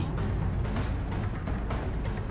harusnya mereka sudah ada di sini